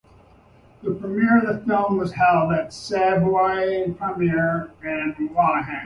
The premiere of the film was held at the Savoy Primer in Wellawatte.